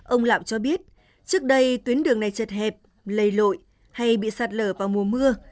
ông lạo cho biết trước đây tuyến đường này chật hẹp lầy lội hay bị sạt lở vào mùa mưa